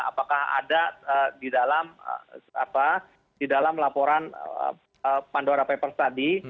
apakah ada di dalam laporan pandora papers tadi